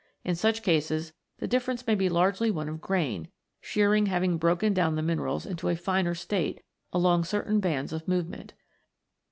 In such cases, the difference may be largely one of grain, shearing having broken down the minerals into a finer state along certain bands of movement^).